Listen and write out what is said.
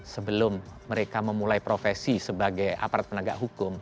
sebelum mereka memulai profesi sebagai aparat penegak hukum